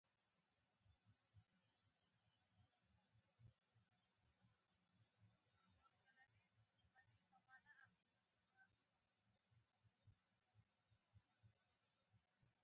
اروپایي ښکېلاک یې بنسټ ایښی و.